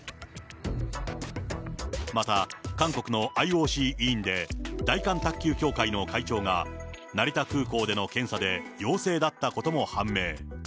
また、韓国のＩＯＣ委員で、大韓卓球協会の会長が、成田空港での検査で陽性だったことも判明。